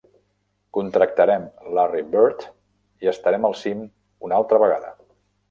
Contractarem Larry Bird, i estarem al cim una altra vegada.